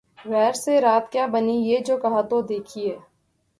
’’ غیر سے رات کیا بنی ‘‘ یہ جو کہا‘ تو دیکھیے